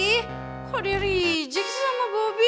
ih kok dirijik sih sama bobby